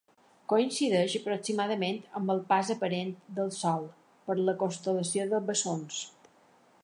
Coincideix aproximadament amb el pas aparent del Sol per la constel·lació de Bessons.